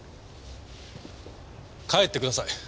帰ってください。